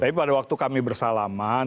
tapi pada waktu kami bersalaman